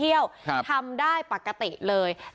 เพราะว่าตอนนี้จริงสมุทรสาของเนี่ยลดระดับลงมาแล้วกลายเป็นพื้นที่สีส้ม